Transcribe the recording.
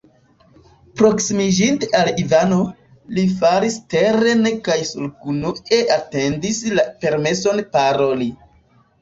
Proksimiĝinte al Ivano, li falis teren kaj surgenue atendis la permeson paroli.